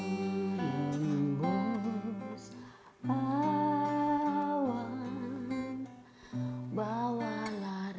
jadi kita harus mencari tahu bagaimana mereka mendapatkan title seperti itu